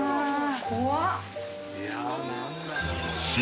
怖っ！